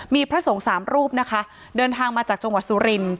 มีพระสงฆ์สามรูปนะคะเดินทางมาจากจังหวัดสุริน